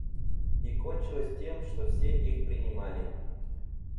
И кончилось тем, что все их принимали.